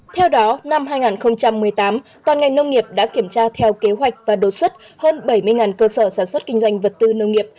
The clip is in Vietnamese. theo đó năm hai nghìn một mươi tám toàn ngành nông nghiệp đã kiểm tra theo kế hoạch và đột xuất hơn bảy mươi cơ sở sản xuất kinh doanh vật tư nông nghiệp